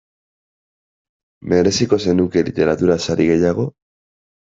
Mereziko zenuke literatura sari gehiago?